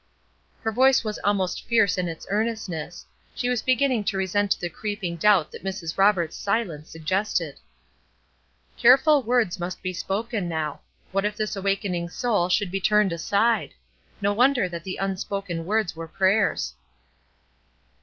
Her voice was almost fierce in its earnestness; she was beginning to resent the creeping doubt that Mrs. Roberts' silence suggested. Careful words must be spoken now. What if this awakening soul should be turned aside! No wonder that the unspoken words were prayers.